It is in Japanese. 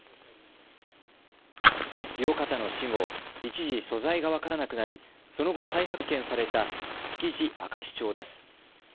清方の死後、一時所在が分からなくなりその後、再発見された築地明石町です。